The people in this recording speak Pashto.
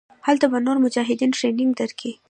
هلته به نور مجاهدين ټرېننگ درکي.